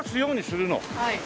はい。